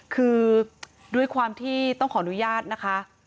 คือด้วยความที่ต้องขออนุญาตนะคะ